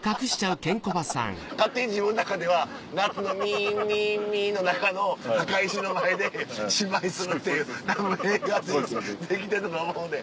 勝手に自分の中では夏のミンミンミンの中の墓石の前で芝居するっていうたぶん画ができてたと思うねん。